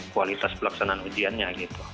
kualitas pelaksanaan ujiannya gitu